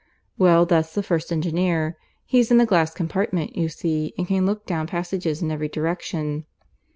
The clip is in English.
Well, that's the first engineer. He's in a glass compartment, you see, and can look down passages in every direction.